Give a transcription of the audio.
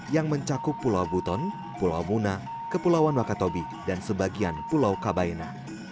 yang mencakup pulau buton pulau muna kepulauan wakatobi dan sebagian pulau kabaina